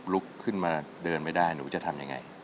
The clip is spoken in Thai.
ลุกขึ้นมาเดินไม่ได้หนูจะทำยังไง